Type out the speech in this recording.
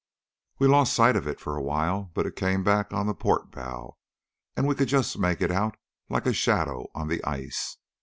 We lost sight of it for a while, but it came back on the port bow, and we could just make it out like a shadow on the ice.